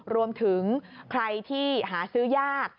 รวมถึงใครที่หาซื้อยาก